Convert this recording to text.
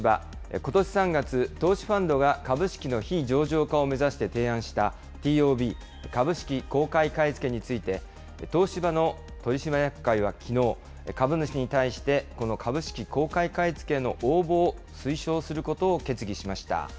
ことし３月、投資ファンドが株式の非上場化を目指して提案したＴＯＢ・株式の公開買い付けについて、東芝の取締役会はきのう、株主に対して、この株式公開買い付けの応募を推奨することを決議しました。